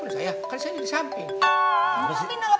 saya yang nanya begitu om juragan